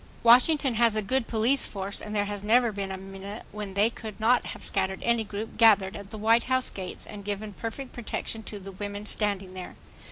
Washington has a good police force and there has never been a minute when they could not have scattered any group gathered at the White House gates and given perfect protection to the women standing there.